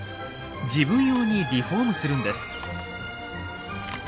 自分用にリフォームするんです。